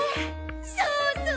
そうそう！